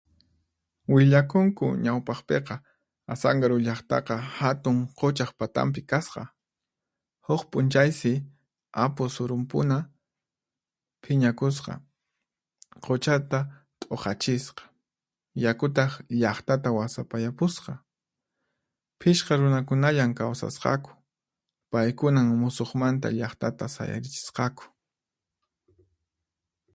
Willakunku ñawpaqpiqa Asankaru llaqtaqa hatun quchaq patanpi kasqa. Huq p'unchaysi, Apu Surunp'una phiñakuspa quchata t'uhachisqa, yakutaq llaqtata wasapayapusqa. Phishqa runakunallan kawsasqaku, paykunan musuqmanta llaqtata sayarichisqaku.